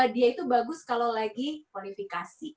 dia itu bagus kalau lagi kualifikasi